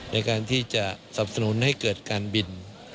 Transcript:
ในการที่จะสับสนุนให้เกิดการบิน